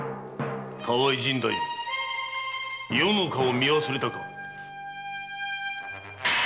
河合甚太夫余の顔を見忘れたか。